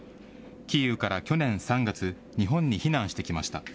キーウから去年３月、日本に避難してきました。